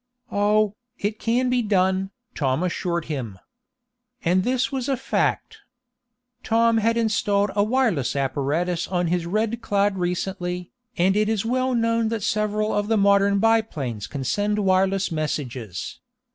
"Oh, it can be done," Tom assured him. And this was a fact. Tom had installed a wireless apparatus on his RED CLOUD recently, and it is well known that several of the modern biplanes can send wireless messages.